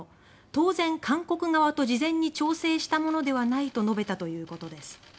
当然、韓国側と事前に調整したものではない」と述べたということです。